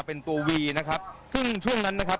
เป็นตัววีนะครับซึ่งช่วงนั้นนะครับ